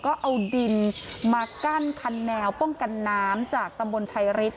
ก็เอาดินมากั้นคันแนวป้องกันน้ำจากตำบลชัยฤทธ